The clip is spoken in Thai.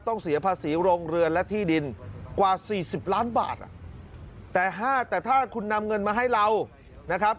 เสียภาษีโรงเรือนและที่ดินกว่า๔๐ล้านบาทแต่๕แต่ถ้าคุณนำเงินมาให้เรานะครับ